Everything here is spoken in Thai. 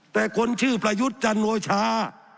แต่คนชื่อประยุทธ์จันโอชา